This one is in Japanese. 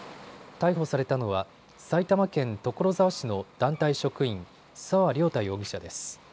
逮捕されたのは埼玉県所沢市の団体職員、澤涼太容疑者です。